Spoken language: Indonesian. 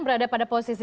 berada pada perbincangan